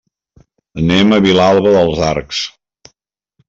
Anem a Vilalba dels Arcs.